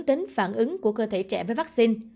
đến phản ứng của cơ thể trẻ với vaccine